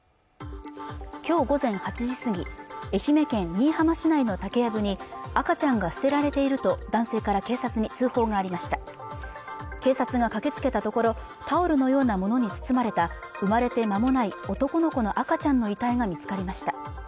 今日午前８時過ぎ愛媛県新居浜市内の竹やぶに赤ちゃんが捨てられていると男性から警察に通報がありました警察が駆けつけたところタオルのようなものに包まれた生まれてまもない男の子の赤ちゃんの遺体が見つかりました